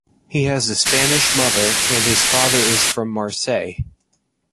He has a Spanish mother, and his father is from Marseille.